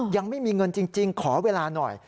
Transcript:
ยังไม่มีเงินจริงขอเวลาหน่อย